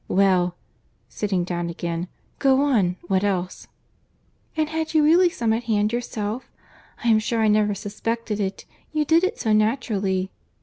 —Well—(sitting down again)—go on—what else?" "And had you really some at hand yourself? I am sure I never suspected it, you did it so naturally."